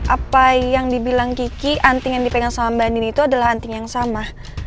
apa yang dibilang kiki anting yang dipegang sama mbak nini itu adalah anting yang sama